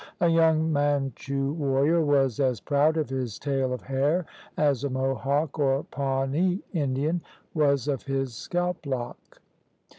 A young Manchu warrior was as proud of his tail of hair as a Mohawk or Pawnee Indian was of his scalp lock.